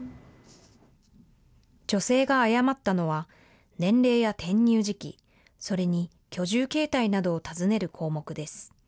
女性が誤ったのは年齢や転入時期、それに居住形態などを尋ねる項目です。